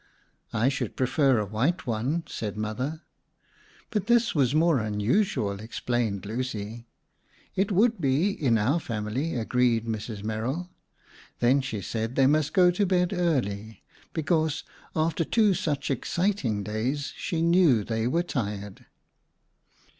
"I should prefer a white one," said Mother. "But this was more unusual," explained Lucy. "It would be in our family," agreed Mrs. Merrill. Then she said they must go to bed early, because, after two such exciting days, she knew they were tired.